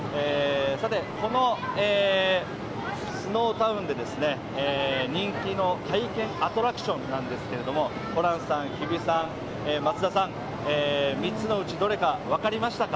このスノータウンで人気の体験アトラクションなんですけれどもホランさん、日比さん、松田さん、３つのうちどれか分かりましたか？